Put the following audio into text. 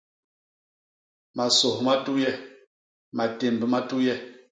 Masôs ma tuye; matémb ma tuye.